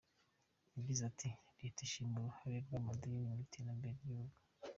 Yagize ati “Leta ishima uruhare rw’amadini mu iterambere ry’igihugu.